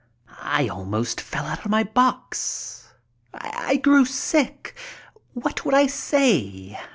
I almost fell out of my box. I grew sick. What would I say?